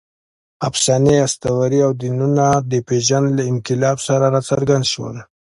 افسانې، اسطورې او دینونه د پېژند له انقلاب سره راڅرګند شول.